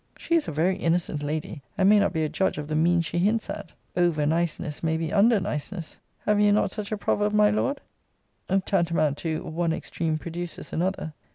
She is a very innocent lady, and may not be a judge of the means she hints at. Over niceness may be under niceness: Have you not such a proverb, my Lord? tantamount to, One extreme produces another!